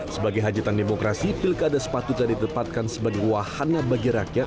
sebagai hajatan demokrasi pilkada sepatutnya ditepatkan sebagai wahana bagi rakyat